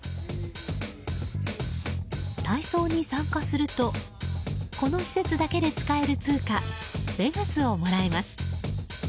体操に参加するとこの施設だけで使える通貨ベガスをもらえます。